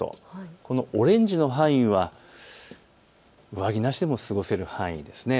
このオレンジの範囲は上着なしでも過ごせる範囲ですね。